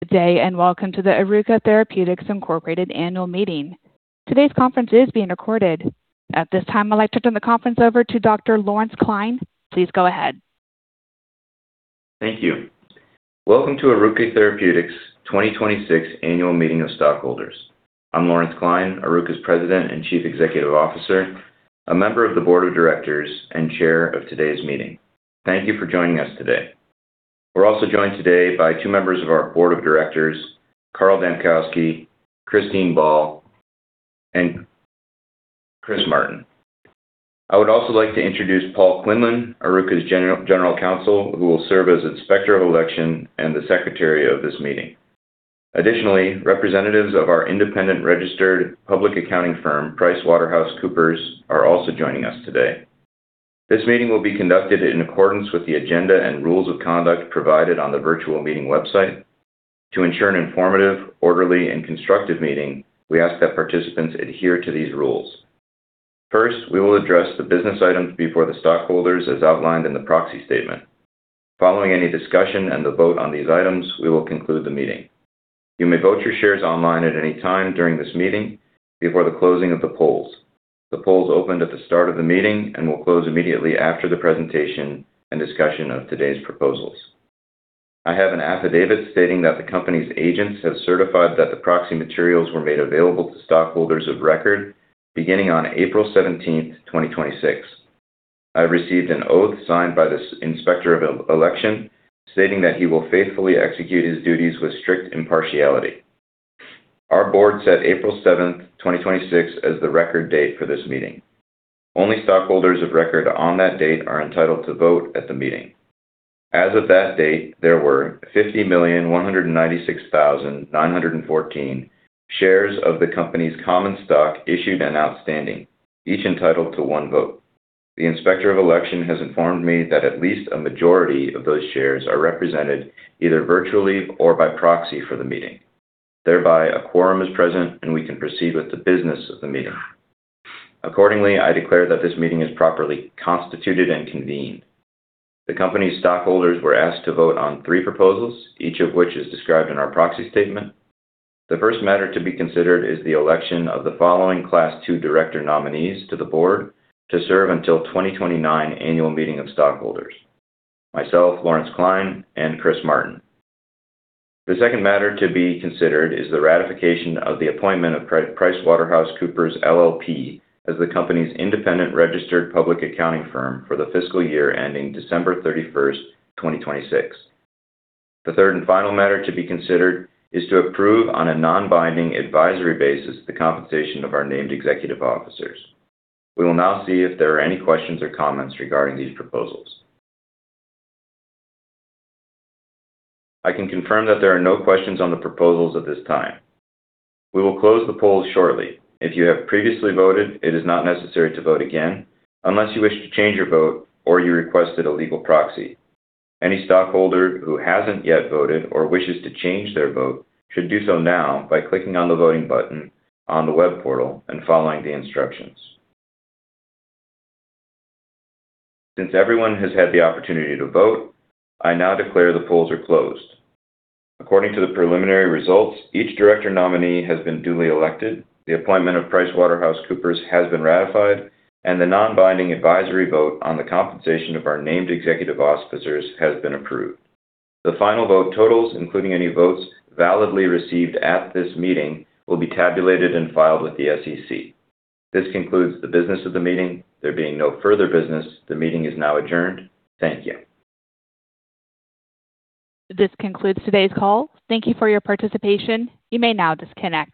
Day and welcome to the Oruka Therapeutics, Inc. Annual Meeting. Today's conference is being recorded. At this time, I'd like to turn the conference over to Dr. Lawrence Klein. Please go ahead. Thank you. Welcome to Oruka Therapeutics 2026 Annual Meeting of Stockholders. I'm Lawrence Klein, Oruka's President and Chief Executive Officer, a member of the Board of Directors, and Chair of today's meeting. Thank you for joining us today. We're also joined today by two members of our Board of Directors, Carl Dambkowski, Kristine Ball, and Chris Martin. I would also like to introduce Paul Quinlan, Oruka's general counsel, who will serve as Inspector of Election and the secretary of this meeting. Additionally, representatives of our independent registered public accounting firm, PricewaterhouseCoopers, are also joining us today. This meeting will be conducted in accordance with the agenda and rules of conduct provided on the virtual meeting website. To ensure an informative, orderly, and constructive meeting, we ask that participants adhere to these rules. First, we will address the business items before the stockholders as outlined in the proxy statement. Following any discussion and the vote on these items, we will conclude the meeting. You may vote your shares online at any time during this meeting before the closing of the polls. The polls opened at the start of the meeting and will close immediately after the presentation and discussion of today's proposals. I have an affidavit stating that the company's agents have certified that the proxy materials were made available to stockholders of record beginning on April 17, 2026. I received an oath signed by the Inspector of Election stating that he will faithfully execute his duties with strict impartiality. Our board set April 7, 2026 as the record date for this meeting. Only stockholders of record on that date are entitled to vote at the meeting. As of that date, there were 50,196,914 shares of the company's common stock issued and outstanding, each entitled to one vote. The Inspector of Election has informed me that at least a majority of those shares are represented either virtually or by proxy for the meeting. A quorum is present, and we can proceed with the business of the meeting. I declare that this meeting is properly constituted and convened. The company's stockholders were asked to vote on three proposals, each of which is described in our proxy statement. The first matter to be considered is the election of the following Class II Director nominees to the board to serve until 2029 Annual Meeting of stockholders. Myself, Lawrence Klein, and Chris Martin. The second matter to be considered is the ratification of the appointment of PricewaterhouseCoopers LLP as the company's independent registered public accounting firm for the fiscal year ending December 31st, 2026. The third and final matter to be considered is to approve, on a non-binding advisory basis, the compensation of our named executive officers. We will now see if there are any questions or comments regarding these proposals. I can confirm that there are no questions on the proposals at this time. We will close the polls shortly. If you have previously voted, it is not necessary to vote again unless you wish to change your vote or you requested a legal proxy. Any stockholder who hasn't yet voted or wishes to change their vote should do so now by clicking on the voting button on the web portal and following the instructions. Since everyone has had the opportunity to vote, I now declare the polls are closed. According to the preliminary results, each director nominee has been duly elected, the appointment of PricewaterhouseCoopers has been ratified, and the non-binding advisory vote on the compensation of our named executive officers has been approved. The final vote totals, including any votes validly received at this meeting, will be tabulated and filed with the SEC. This concludes the business of the meeting. There being no further business, the meeting is now adjourned. Thank you. This concludes today's call. Thank you for your participation. You may now disconnect.